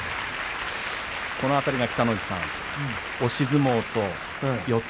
この辺りが北の富士さん押し相撲と四つ